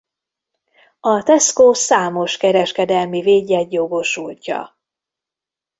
A Tesco számos kereskedelmi védjegy jogosultja.